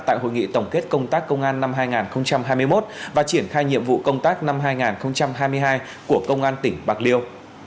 tại hội nghị tổng kết công tác công an năm hai nghìn hai mươi một và triển khai nhiệm vụ công tác năm hai nghìn hai mươi hai của công an tỉnh bạc liêu